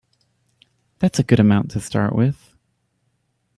That's a good amount to start with.